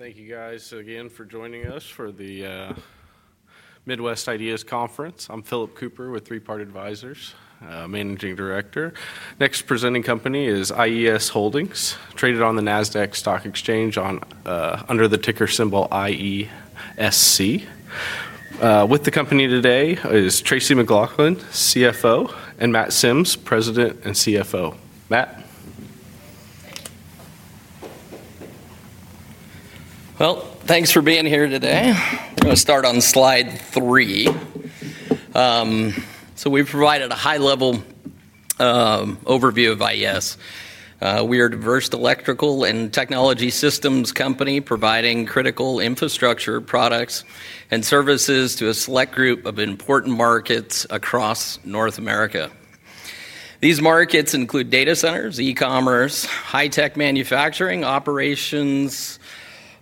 Thank you guys again for joining us for the Midwest IDEAS Conference. I'm Philip Cooper with ThreePart Advisors, Managing Director. Next presenting company is IES Holdings, traded on the NASDAQ Stock Exchange under the ticker symbol IESC. With the company today is Tracy McLauchlin, CFO, and Matt Simmes, President and CEO. Matt? Thank you for being here today. I'll start on slide three. We provided a high-level overview of IES. We are a diverse electrical and technology systems company providing critical infrastructure products and services to a select group of important markets across North America. These markets include data centers, e-commerce, high-tech manufacturing operations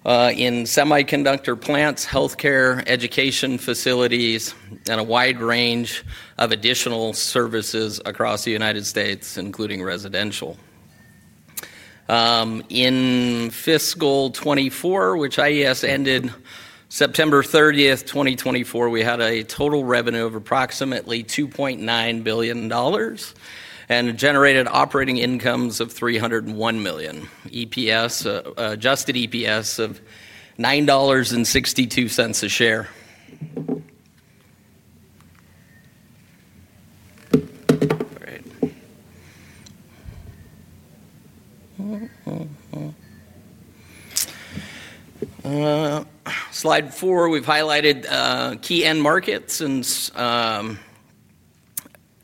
in semiconductor plants, healthcare, education facilities, and a wide range of additional services across the United States, including residential. In fiscal 2024, which IES ended September 30th, 2024, we had a total revenue of approximately $2.9 billion and generated operating income of $301 million. Adjusted EPS of $9.62 a share. On slide four, we've highlighted key end markets and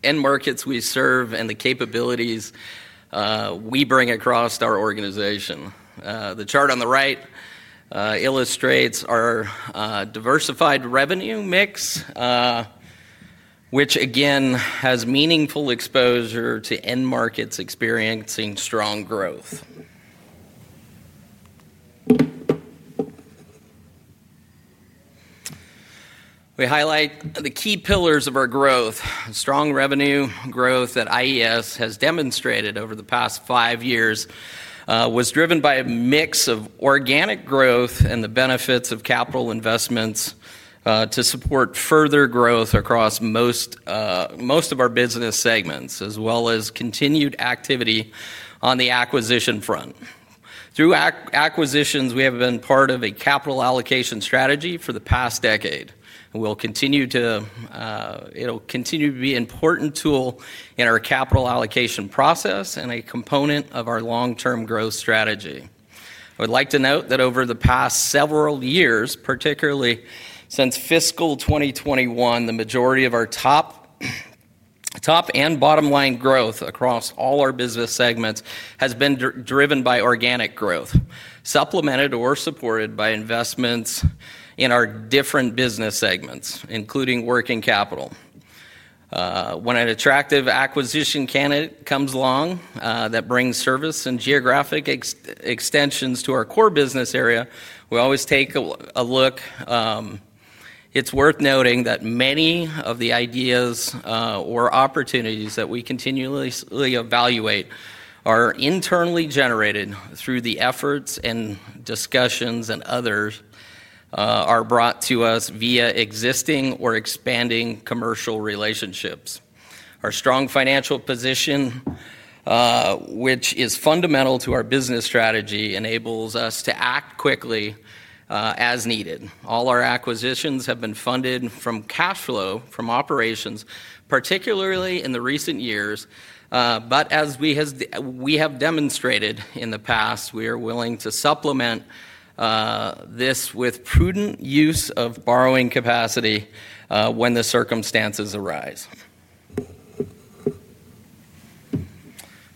end markets we serve and the capabilities we bring across our organization. The chart on the right illustrates our diversified revenue mix, which again has meaningful exposure to end markets experiencing strong growth. We highlight the key pillars of our growth. Strong revenue growth that IES has demonstrated over the past five years was driven by a mix of organic growth and the benefits of capital investments to support further growth across most of our business segments, as well as continued activity on the acquisition front. Through acquisitions, we have been part of a capital allocation strategy for the past decade. It will continue to be an important tool in our capital allocation process and a component of our long-term growth strategy. I would like to note that over the past several years, particularly since fiscal 2021, the majority of our top and bottom line growth across all our business segments has been driven by organic growth, supplemented or supported by investments in our different business segments, including working capital. When an attractive acquisition candidate comes along that brings service and geographic extensions to our core business area, we always take a look. It's worth noting that many of the ideas or opportunities that we continuously evaluate are internally generated through the efforts and discussions and others are brought to us via existing or expanding commercial relationships. Our strong financial position, which is fundamental to our business strategy, enables us to act quickly as needed. All our acquisitions have been funded from cash flow from operations, particularly in the recent years. As we have demonstrated in the past, we are willing to supplement this with prudent use of borrowing capacity when the circumstances arise.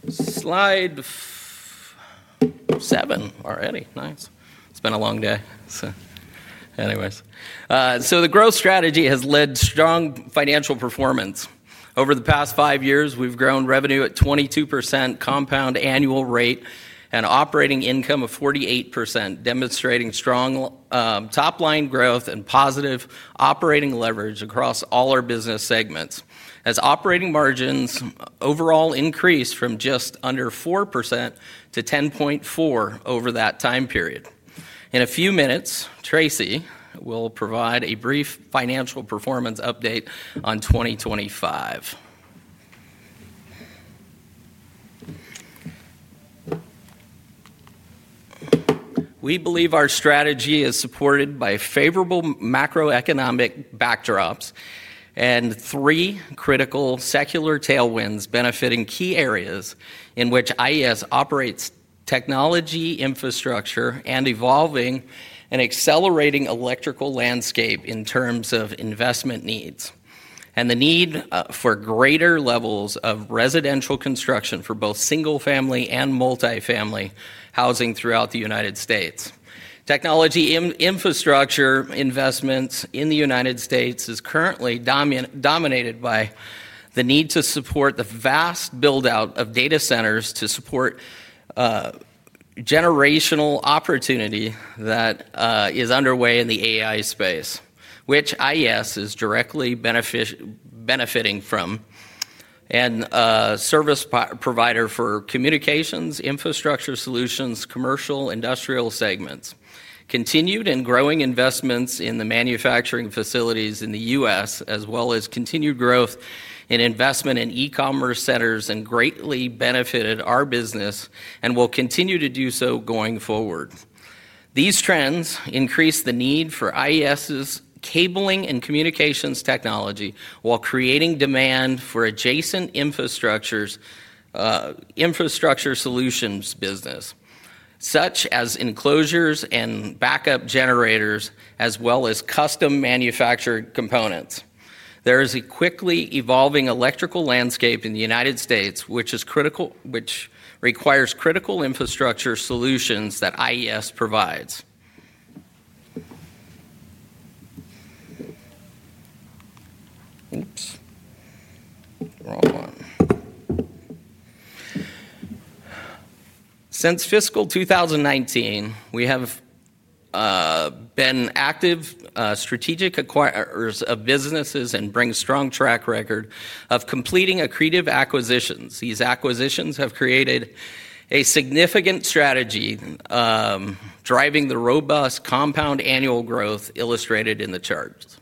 Slide seven already. Nice. It's been a long day. The growth strategy has led to strong financial performance. Over the past five years, we've grown revenue at a 22% compound annual rate and operating income of 48%, demonstrating strong top line growth and positive operating leverage across all our business segments. Operating margins overall increased from just under 4% to 10.4% over that time period. In a few minutes, Tracy McLauchlin will provide a brief financial performance update on 2025. We believe our strategy is supported by favorable macroeconomic backdrops and three critical secular tailwinds benefiting key areas in which IES operates: technology, infrastructure, and evolving and accelerating electrical landscape in terms of investment needs and the need for greater levels of residential construction for both single-family and multifamily housing throughout the United States. Technology infrastructure investments in the United States are currently dominated by the need to support the vast buildout of data centers to support generational opportunity that is underway in the AI space, which IES is directly benefiting from, and a service provider for Communications, Infrastructure Solutions, Commercial & Industrial segments. Continued and growing investments in the manufacturing facilities in the U.S., as well as continued growth in investment in e-commerce centers, have greatly benefited our business and will continue to do so going forward. These trends increase the need for IES cabling and communications technology while creating demand for adjacent Infrastructure Solutions business, such as enclosures and backup generators, as well as custom manufactured components. There is a quickly evolving electrical landscape in the United States, which requires critical infrastructure solutions that IES provides. Since fiscal 2019, we have been active strategic acquirers of businesses and bring a strong track record of completing accretive acquisitions. These acquisitions have created a significant strategy, driving the robust compound annual growth illustrated in the chart.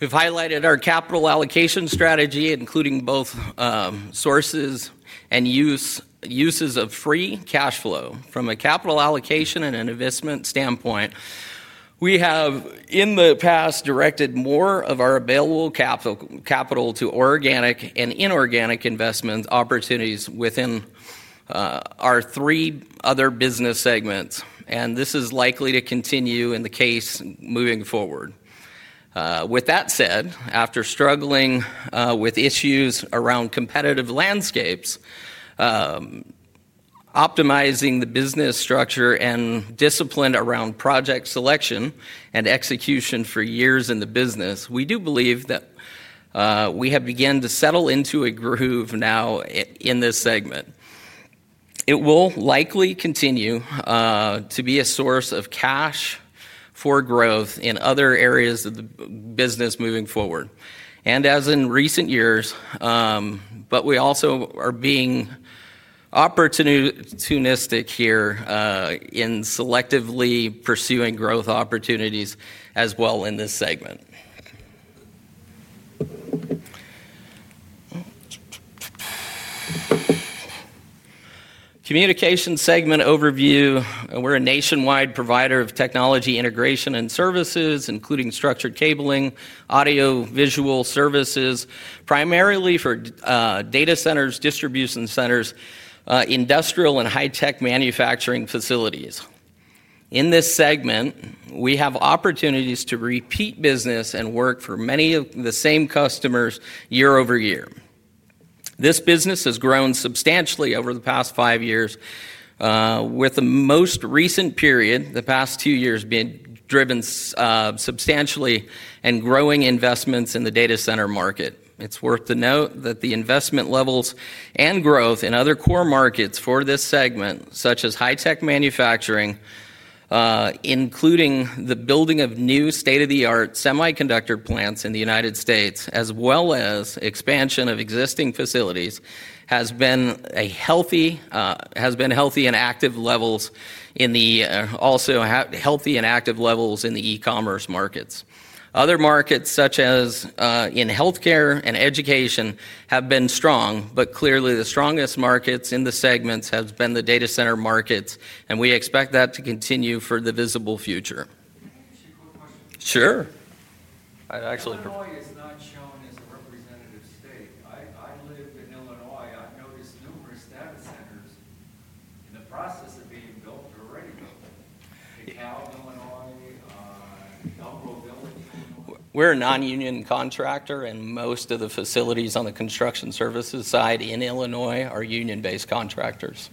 We've highlighted our capital allocation strategy, including both sources and uses of free cash flow. From a capital allocation and an investment standpoint, we have, in the past, directed more of our available capital to organic and inorganic investment opportunities within our three other business segments, and this is likely to continue in the case moving forward. With that said, after struggling with issues around competitive landscapes, optimizing the business structure and discipline around project selection and execution for years in the business, we do believe that we have begun to settle into a groove now in this segment. It will likely continue to be a source of cash for growth in other areas of the business moving forward, as in recent years, but we also are being opportunistic here in selectively pursuing growth opportunities as well in this segment. Communications segment overview: we're a nationwide provider of technology integration and services, including structured cabling, audio-visual services, primarily for data centers, distribution centers, industrial, and high-tech manufacturing facilities. In this segment, we have opportunities to repeat business and work for many of the same customers year-over-year. This business has grown substantially over the past five years, with the most recent period, the past two years, being driven substantially by growing investments in the data center market. It's worth noting that the investment levels and growth in other core markets for this segment, such as high-tech manufacturing, including the building of new state-of-the-art semiconductor plants in the United States, as well as expansion of existing facilities, has been healthy and active in the e-commerce markets. Other markets, such as healthcare and education, have been strong, but clearly the strongest markets in the segment have been the data center markets, and we expect that to continue for the visible future. Sure. I actually Why are you not showing us a representative stake? I live in Illinois. I've noticed numerous data centers in the process of being ready to go in. We're a non-union contractor, and most of the facilities on the construction services side in Illinois are union-based contractors.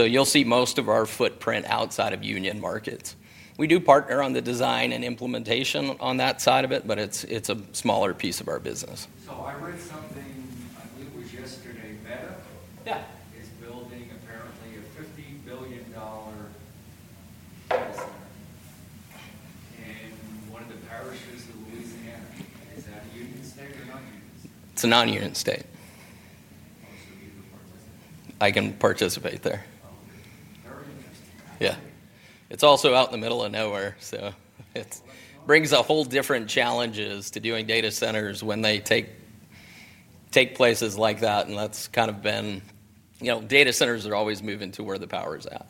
You'll see most of our footprint outside of union markets. We do partner on the design and implementation on that side of it, but it's a smaller piece of our business. I read something. I believe it was yesterday, Meta is building apparently a $15 billion data center. It's a non-union state. I can participate there. Yeah. It's also out in the middle of nowhere, so it brings a whole different challenge to doing data centers when they take places like that. That's kind of been, you know, data centers are always moving to where the power's at.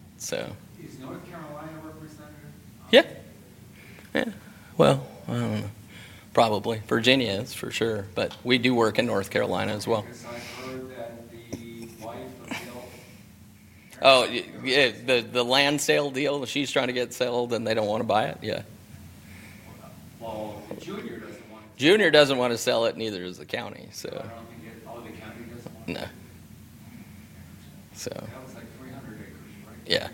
Yeah. I don't know. Probably Virginia is for sure, but we do work in North Carolina as well. Oh, yeah, the land sale deal she's trying to get settled and they don't want to buy it. Junior doesn't want to sell it, neither does the county. No. It's like 300 acres, right? Yeah.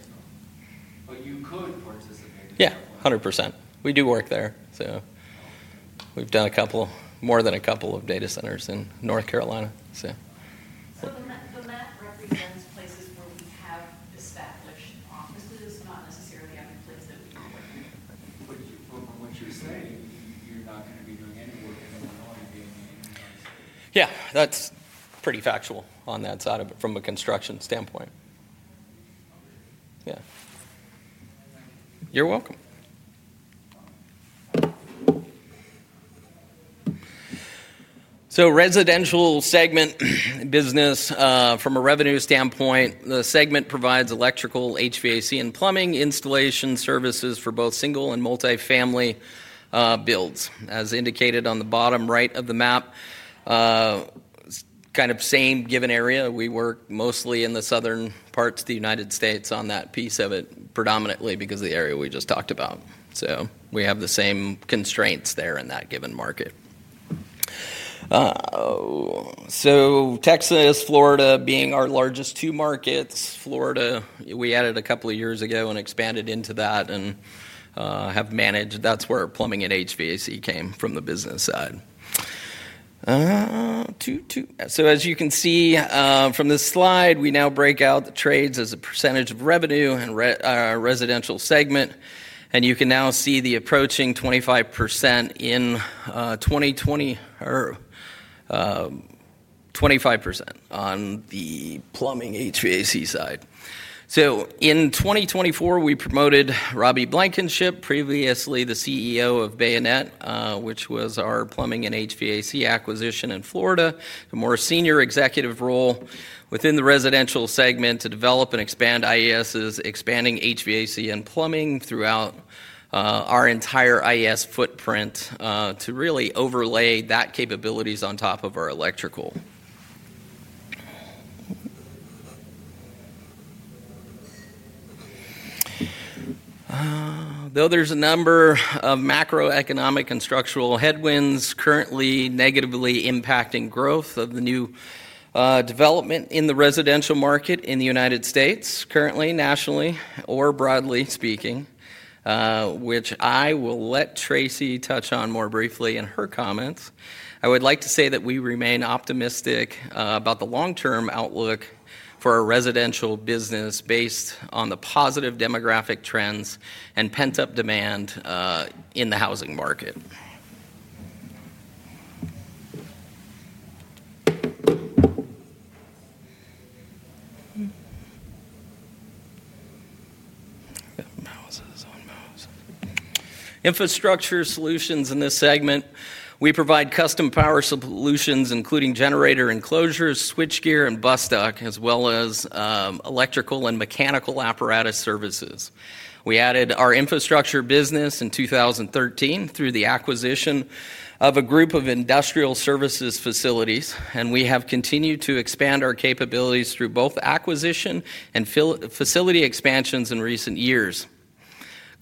You include places. Yeah, 100%. We do work there. We've done a couple, more than a couple of data centers in North Carolina. Will that represent places where we have established offices, not necessarily having places that we've not worked in? What you're saying, you're not going to be doing any work in Illinois if. Yeah, that's pretty factual on that side of it from a construction standpoint. You're welcome. Residential segment business, from a revenue standpoint, the segment provides electrical, HVAC, and plumbing installation services for both single and multifamily builds. As indicated on the bottom right of the map, kind of same given area. We work mostly in the southern parts of the United States on that piece of it, predominantly because of the area we just talked about. We have the same constraints there in that given market. Texas, Florida, being our largest two markets, Florida, we added a couple of years ago and expanded into that and have managed. That's where plumbing and HVAC came from the business side. As you can see from this slide, we now break out the trades as a percentage of revenue in our Residential segment. You can now see the approaching 25% in 2020, or 25% on the plumbing HVAC side. In 2024, we promoted Robbie Blankenship, previously the CEO of Bayonet, which was our plumbing and HVAC acquisition in Florida, to a more senior executive role within the Residential segment to develop and expand IES's expanding HVAC and plumbing throughout our entire IES footprint to really overlay that capabilities on top of our electrical. Though there's a number of macroeconomic and structural headwinds currently negatively impacting growth of the new development in the residential market in the United States, currently nationally or broadly speaking, which I will let Tracy touch on more briefly in her comments, I would like to say that we remain optimistic about the long-term outlook for our residential business based on the positive demographic trends and pent-up demand in the housing market. Infrastructure Solutions in this segment, we provide custom power solutions, including generator enclosures, switchgear, and bus duct, as well as electrical and mechanical apparatus services. We added our Infrastructure business in 2013 through the acquisition of a group of industrial services facilities, and we have continued to expand our capabilities through both acquisition and facility expansions in recent years.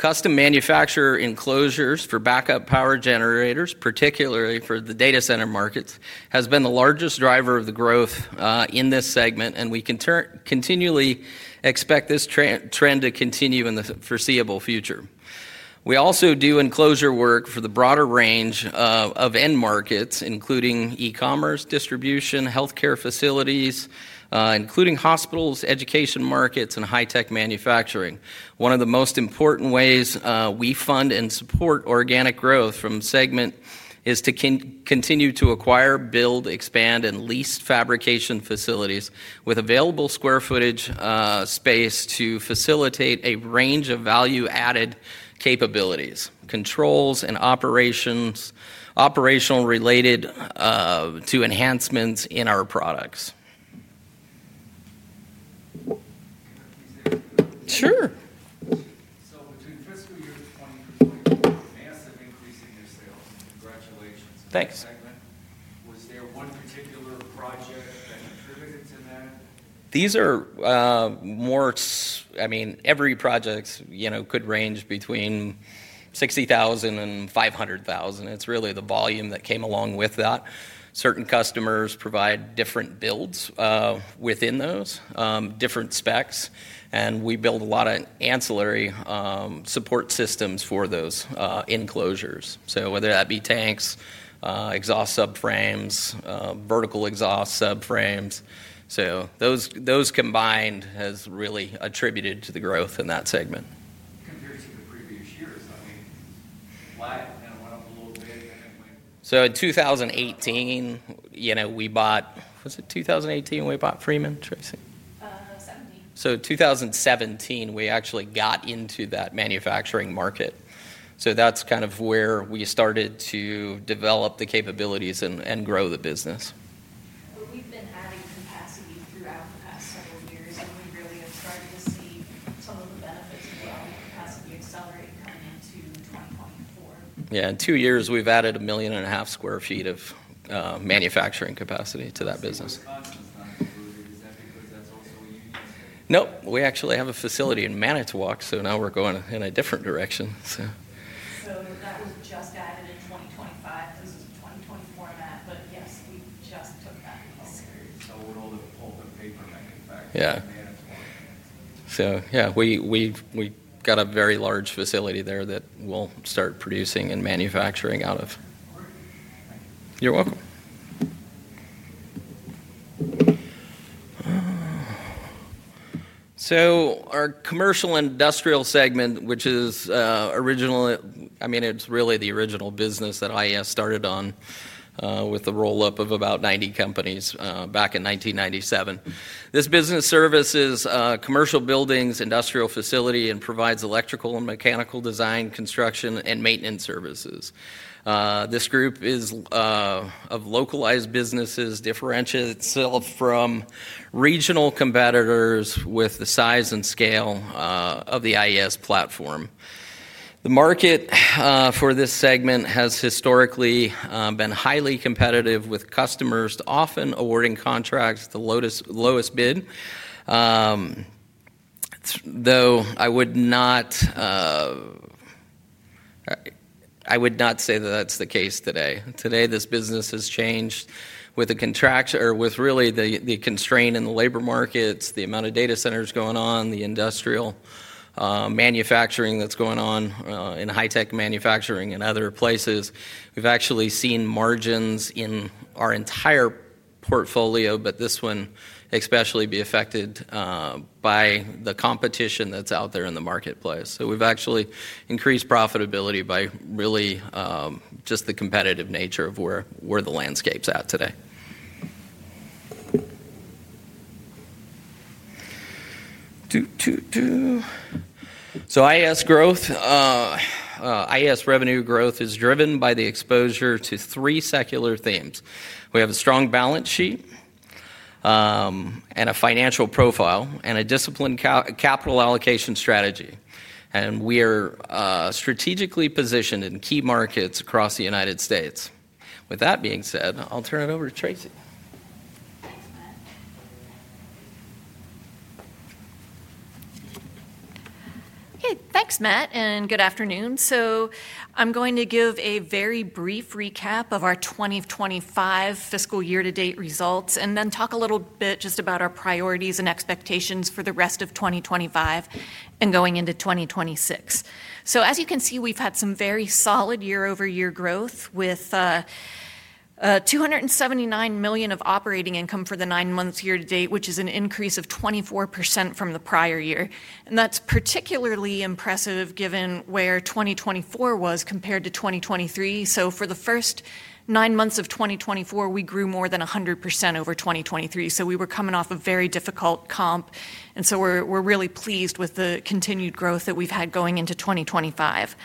Custom manufacture enclosures for backup power generators, particularly for the data center markets, has been the largest driver of the growth in this segment, and we can continually expect this trend to continue in the foreseeable future. We also do enclosure work for the broader range of end markets, including e-commerce, distribution, healthcare facilities, including hospitals, education markets, and high-tech manufacturing. One of the most important ways we fund and support organic growth from segment is to continue to acquire, build, expand, and lease fabrication facilities with available square footage space to facilitate a range of value-added capabilities, controls, and operational-related enhancements in our products. Sure. In fiscal year 2020, a massive increase in your sales. Congratulations. Thanks. What particular project fit into that? These are more, I mean, every project could range between $60,000 and $500,000. It's really the volume that came along with that. Certain customers provide different builds within those, different specs, and we build a lot of ancillary support systems for those enclosures. Whether that be tanks, exhaust subframes, vertical exhaust subframes, those combined have really attributed to the growth in that segment. Compared to the previous years, I mean, why not a little bit? In 2018, you know, we bought, was it 2018 we bought Freeman, Tracy? In 2017, we actually got into that manufacturing market. That's kind of where we started to develop the capabilities and grow the business. Adding capacity throughout the past several years, we really have started to see some of the benefits of what. Yeah, in two years, we've added $1.5 million square feet of manufacturing capacity to that business. Nope, we actually have a facility in Manitowoc, so now we're going in a different direction. That was just added in 2025. This is 2024 in that, but yes, we just added it. We're on the paper now. Yeah. We've got a very large facility there that we'll start producing and manufacturing out of. You're welcome. Our Commercial & Industrial segment, which is really the original business that IES started on with the roll-up of about 90 companies back in 1997, services commercial buildings, industrial facility, and provides electrical and mechanical design, construction, and maintenance services. This group is of localized businesses and differentiates itself from regional competitors with the size and scale of the IES platform. The market for this segment has historically been highly competitive, with customers often awarding contracts to the lowest bid, though I would not say that that's the case today. Today, this business has changed with the constraint in the labor markets, the amount of data centers going on, the industrial manufacturing that's going on in high-tech manufacturing and other places. We've actually seen margins in our entire portfolio, but this one especially, be affected by the competition that's out there in the marketplace. We've actually increased profitability by just the competitive nature of where the landscape's at today. IES revenue growth is driven by the exposure to three secular themes. We have a strong balance sheet and a financial profile and a disciplined capital allocation strategy, and we are strategically positioned in key markets across the United States. With that being said, I'll turn it over to Tracy. Okay, thanks, Matt, and good afternoon. I'm going to give a very brief recap of our 2025 fiscal year-to-date results and then talk a little bit just about our priorities and expectations for the rest of 2025 and going into 2026. As you can see, we've had some very solid year-over-year growth with $279 million of operating income for the nine months year to date, which is an increase of 24% from the prior year. That's particularly impressive given where 2024 was compared to 2023. For the first nine months of 2024, we grew more than 100% over 2023. We were coming off a very difficult comp. We're really pleased with the continued growth that we've had going into 2025.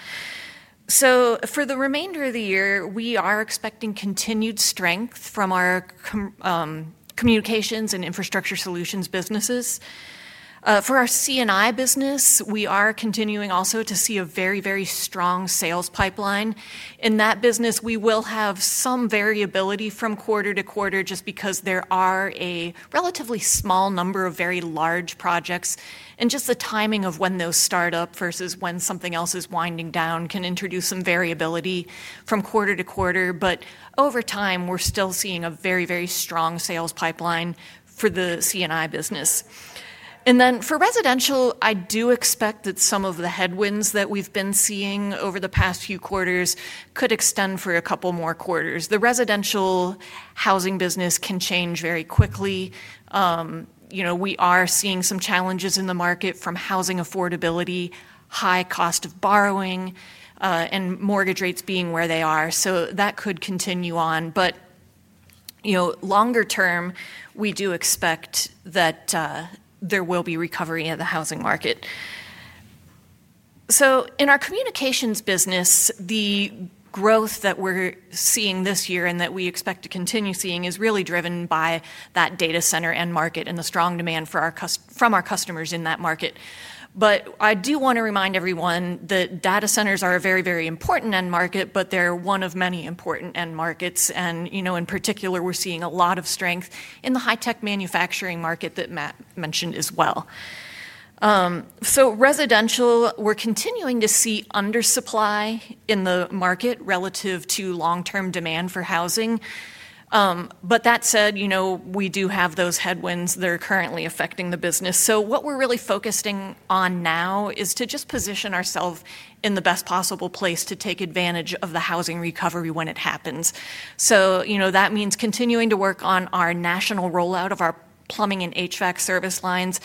For the remainder of the year, we are expecting continued strength from our Communications and Infrastructure Solutions businesses. For our Commercial & Industrial business, we are continuing also to see a very, very strong sales pipeline. In that business, we will have some variability from quarter to quarter just because there are a relatively small number of very large projects. The timing of when those start up versus when something else is winding down can introduce some variability from quarter to quarter. Over time, we're still seeing a very, very strong sales pipeline for the C&I business. For Residential, I do expect that some of the headwinds that we've been seeing over the past few quarters could extend for a couple more quarters. The residential housing business can change very quickly. We are seeing some challenges in the market from housing affordability, high cost of borrowing, and mortgage rates being where they are. That could continue on. Longer term, we do expect that there will be recovery in the housing market. In our Communications business, the growth that we're seeing this year and that we expect to continue seeing is really driven by that data center end market and the strong demand from our customers in that market. I do want to remind everyone that data centers are a very, very important end market, but they're one of many important end markets. In particular, we're seeing a lot of strength in the high-tech manufacturing market that Matt mentioned as well. Residential, we're continuing to see undersupply in the market relative to long-term demand for housing. That said, we do have those headwinds that are currently affecting the business. What we're really focusing on now is to just position ourselves in the best possible place to take advantage of the housing recovery when it happens. That means continuing to work on our national rollout of our plumbing and HVAC service lines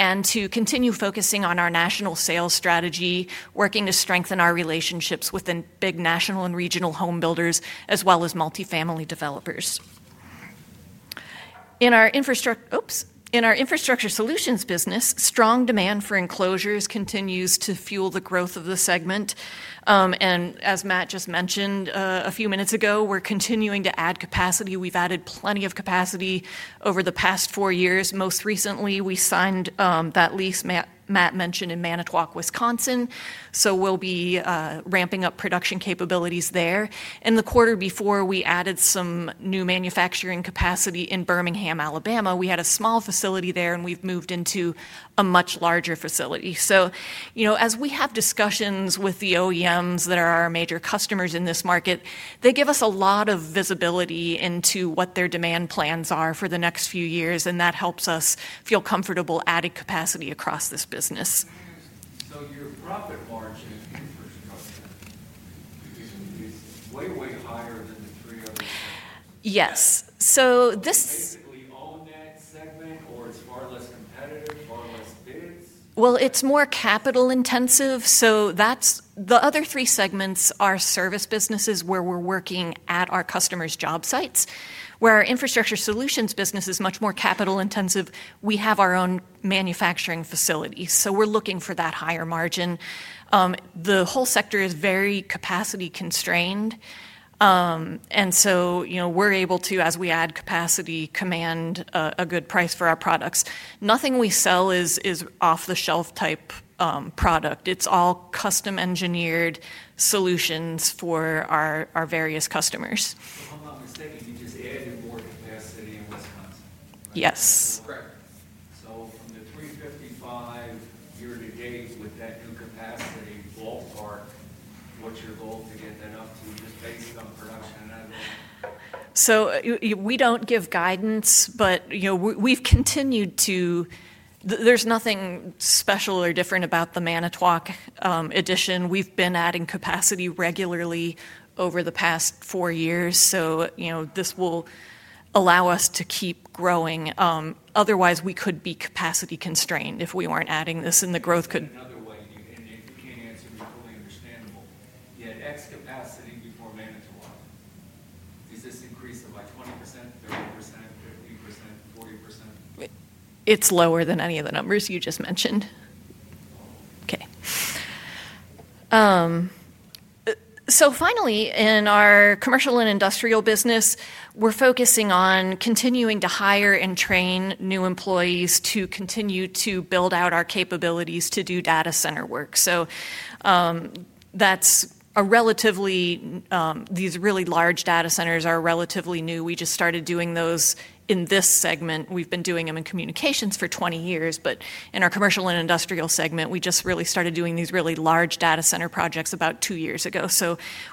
and to continue focusing on our national sales strategy, working to strengthen our relationships within big national and regional home builders, as well as multifamily developers. In our Infrastructure Solutions business, strong demand for enclosures continues to fuel the growth of the segment. As Matt just mentioned a few minutes ago, we're continuing to add capacity. We've added plenty of capacity over the past four years. Most recently, we signed that lease Matt mentioned in Manitowoc, Wisconsin. We'll be ramping up production capabilities there. In the quarter before, we added some new manufacturing capacity in Birmingham, Alabama. We had a small facility there, and we've moved into a much larger facility. As we have discussions with the OEMs that are our major customers in this market, they give us a lot of visibility into what their demand plans are for the next few years, and that helps us feel comfortable adding capacity across this business. Your profit margin infrastructure, yes. It's more capital intensive. The other three segments are service businesses where we're working at our customers' job sites, where our Infrastructure Solutions business is much more capital intensive. We have our own manufacturing facilities, so we're looking for that higher margin. The whole sector is very capacity constrained, and we're able to, as we add capacity, command a good price for our products. Nothing we sell is off-the-shelf type product. It's all custom-engineered solutions for our various customers. I see you just added more capacity on the site. Yes. In the 355 year to gain with that new capacity vault park, what's your goal to get that up to just based on the production? We don't give guidance, but we've continued to, there's nothing special or different about the Manitowoc addition. We've been adding capacity regularly over the past four years. This will allow us to keep growing. Otherwise, we could be capacity constrained if we weren't adding this and the growth could. Another one, it seems totally understandable. You had capacity before Manitowoc. Is this increased about 20%, 30%, 40%? It's lower than any of the numbers you just mentioned. Finally, in our Commercial & Industrial business, we're focusing on continuing to hire and train new employees to continue to build out our capabilities to do data center work. That's a relatively, these really large data centers are relatively new. We just started doing those in this segment. We've been doing them in Communications for 20 years, but in our Commercial & Industrial segment, we just really started doing these really large data center projects about two years ago.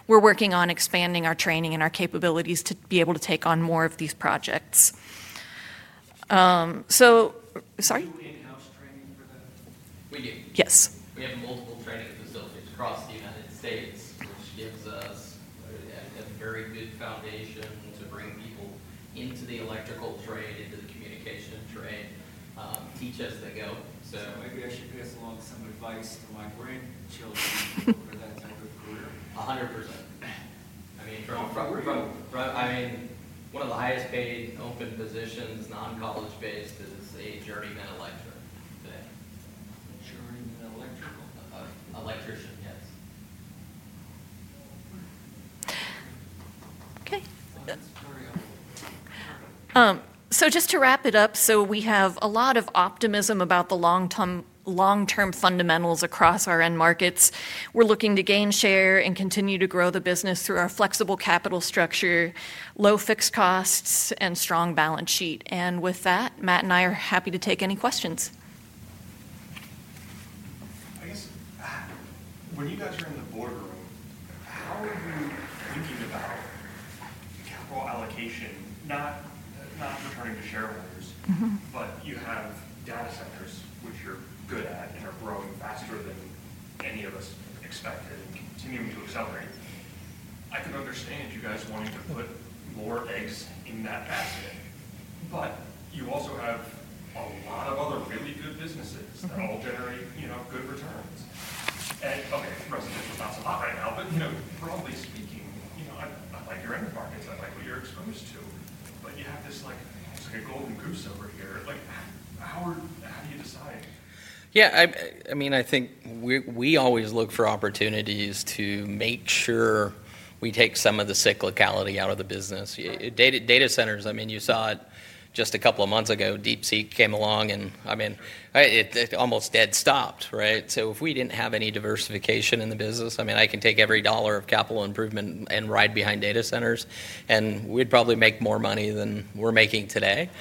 We're working on expanding our training and our capabilities to be able to take on more of these projects. Sorry? House training for that? We need. Yes. We had multiple training facilities across the United States, which gives us a very good foundation to bring people into the electrical trade, the communication trade, teach as they go. Maybe I should pass along some advice to my grandchildren for that type of career. 100%. I mean, from a front work. One of the highest paid open positions, non-college-based, is a journeyman electrician. Journeyman electrical? Electrician, yes. Okay. Yes. To wrap it up, we have a lot of optimism about the long-term fundamentals across our end markets. We're looking to gain share and continue to grow the business through our flexible capital structure, low fixed costs, and strong balance sheet. With that, Matt and I are happy to take any questions. When you guys are in the boardroom, how are you thinking about capital allocation? Not referring to shareholders, but you have data centers, which you're good at and are growing faster than any of us expected, continuing to accelerate. I can understand you guys wanting to put more eggs in that basket. You also have a lot of other really good businesses that all generate good returns. For instance, that's a lot right now, but broadly speaking, I like your end markets and I like what you're exposed to. You have this, it's like a golden goose over here. How do you decide? Yeah, I mean, I think we always look for opportunities to make sure we take some of the cyclicality out of the business. Data centers, I mean, you saw it just a couple of months ago, DeepSeek came along and it almost dead stopped, right? If we didn't have any diversification in the business, I can take every dollar of capital improvement and ride behind data centers and we'd probably make more money than we're making today.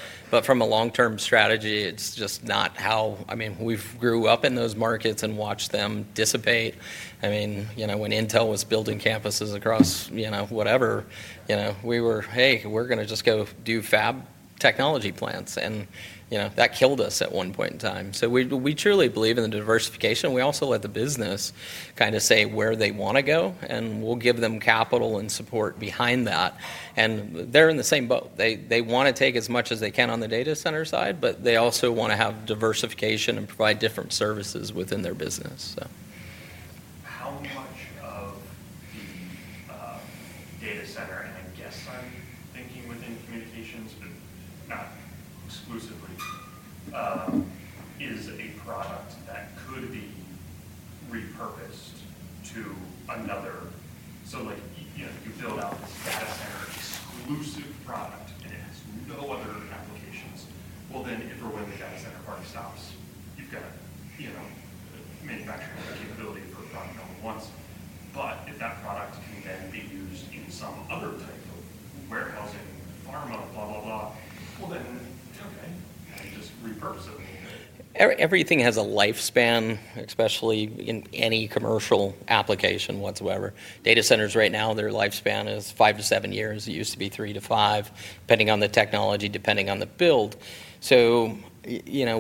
From a long-term strategy, it's just not how, I mean, we grew up in those markets and watched them dissipate. You know, when Intel was building campuses across, you know, whatever, we were, hey, we're going to just go do fab technology plants and that killed us at one point in time. We truly believe in the diversification. We also let the business kind of say where they want to go and we'll give them capital and support behind that. They're in the same boat. They want to take as much as they can on the data center side, but they also want to have diversification and provide different services within their business. How much of the data center, and I guess I'm thinking within Communications and not exclusively, is a product that could be repurposed to another? You build out this data center, exclusive product, and it has no other applications. If or when the data center party stops, you've got manufacturing capabilities with the unknown ones. If that product can be used in some other type of warehousing, environmental, blah, blah, blah, then tell me, I think just repurpose it. Everything has a lifespan, especially in any commercial application whatsoever. Data centers right now, their lifespan is five to seven years. It used to be three to five, depending on the technology, depending on the build.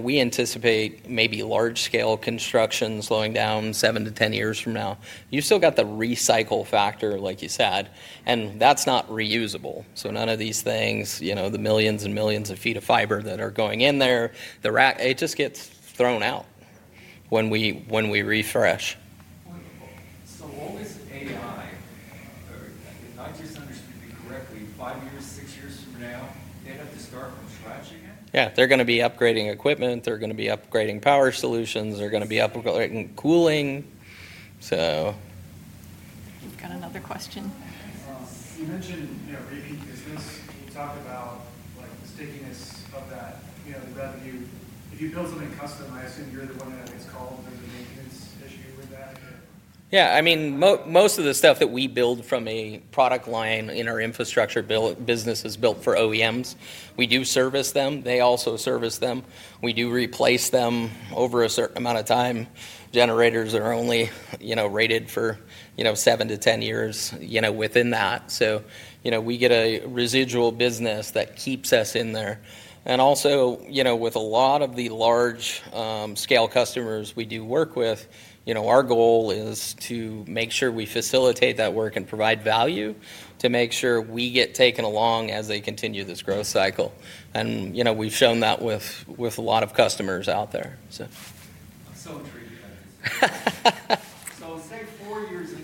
We anticipate maybe large-scale constructions slowing down seven to ten years from now. You still got the recycle factor, like you said, and that's not reusable. None of these things, the millions and millions of feet of fiber that are going in there, it just gets thrown out when we refresh. What is AI? If I understand this correctly, five years, six years from now, they'd have to start from scratch again? Yeah, they're going to be upgrading equipment, they're going to be upgrading power solutions, they're going to be upgrading cooling. You've got another question. You mentioned, you know, repeat business. Can you talk about the stickiness of that, you know, the revenue? If you build something custom, I assume you're the one that gets called for the maintenance issue with that. Yeah, I mean, most of the stuff that we build from a product line in our Infrastructure business is built for OEMs. We do service them. They also service them. We do replace them over a certain amount of time. Generators are only rated for seven to ten years within that. We get a residual business that keeps us in there. Also, with a lot of the large-scale customers we do work with, our goal is to make sure we facilitate that work and provide value to make sure we get taken along as they continue this growth cycle. We've shown that with a lot of customers out there. It's really fun. Say four years into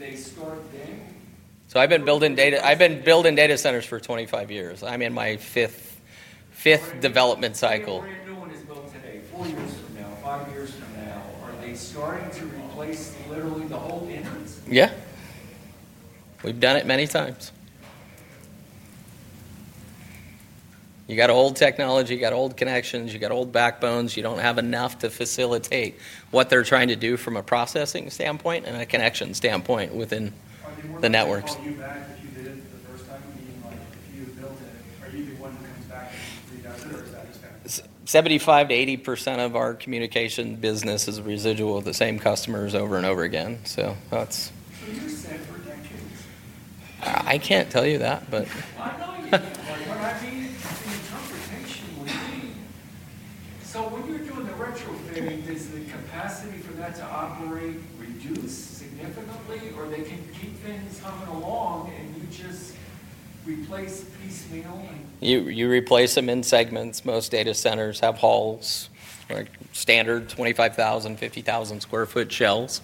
this. I've been building data centers for 25 years. I'm in my fifth development cycle. What are you doing as well today, four years from now, five years from now? Are they starting to replace literally the whole business? Yeah. We've done it many times. You got old technology, you got old connections, you got old backbones. You don't have enough to facilitate what they're trying to do from a processing standpoint and a connection standpoint within the networks. You did it the first time? You built it. Are you doing it? 75%-80% of our Communications business is residual of the same customers over and over again. That's. Can you separate that? I can't tell you that. I know you, but when I paint something, it's up to thinking with me. When you're doing the retrofitting, does the capacity for that to operate reduce significantly, or they can keep things coming along and you just replace them? You replace them in segments. Most data centers have halls, like standard 25,000, 50,000 square foot shells.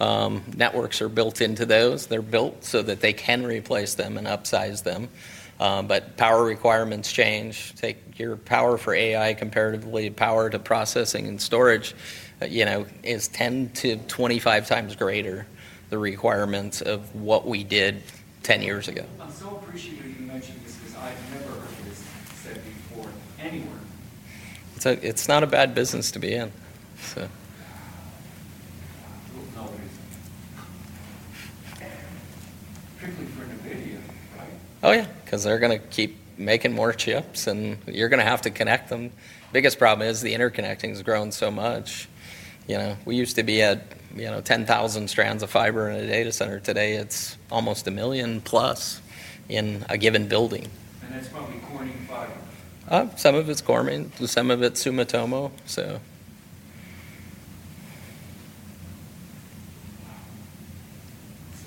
Networks are built into those. They're built so that they can replace them and upsize them. Power requirements change. Take your power for AI comparatively, power to processing and storage is 10-25x greater the requirements of what we did 10 years ago. Jesus, I've never heard this said before anywhere. It's not a bad business to be in. Oh yeah, because they're going to keep making more chips and you're going to have to connect them. The biggest problem is the interconnecting has grown so much. We used to be at 10,000 strands of fiber in a data center. Today, it's almost a million plus in a given building. Some of it's Corning, some of it's Sumitomo. Wow,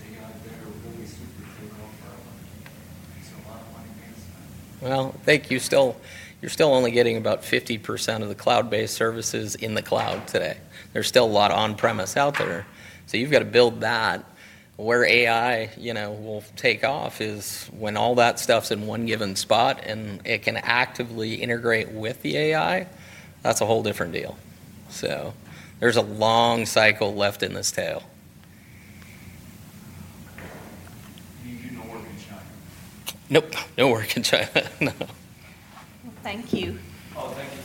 yeah, there will be stupid shit off. Thank you. You're still only getting about 50% of the cloud-based services in the cloud today. There's still a lot on-premise out there. You've got to build that. Where AI, you know, will take off is when all that stuff's in one given spot and it can actively integrate with the AI. That's a whole different deal. There's a long cycle left in this tail. You don't work in chat? Nope, don't work in chat. No. Thank you. Oh, thank you very much. Thank you. Is this.